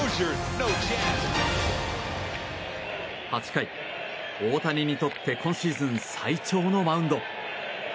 ８回、大谷にとって今シーズン最長のマウンド。